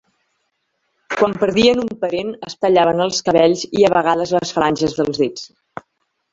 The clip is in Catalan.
Quan perdien un parent es tallaven els cabells i a vegades les falanges dels dits.